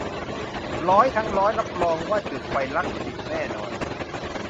ร้อยทั้งร้อยรับรองว่าจุดไฟรักติดแน่นอน